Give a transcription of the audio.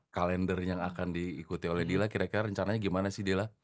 kalender yang akan diikuti oleh dila kira kira rencananya gimana sih dila